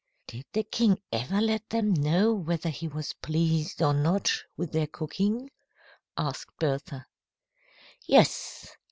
"Did the king ever let them know whether he was pleased or not with their cooking?" asked Bertha. "Yes.